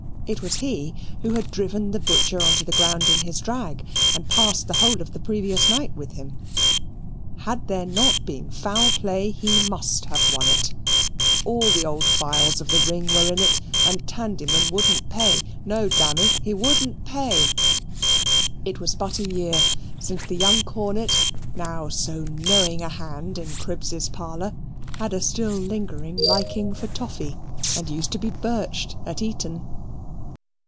It was he who had driven the Butcher on to the ground in his drag and passed the whole of the previous night with him. Had there not been foul play he must have won it. All the old files of the Ring were in it; and Tandyman wouldn't pay; no, dammy, he wouldn't pay. It was but a year since the young Cornet, now so knowing a hand in Cribb's parlour, had a still lingering liking for toffy, and used to be birched at Eton.